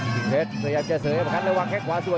กิ้งเท็จสยามจะเสยร์ให้ประคัตระวังแค่ขวาสวย